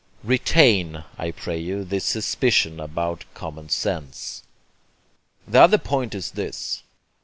Retain, I pray you, this suspicion about common sense. The other point is this.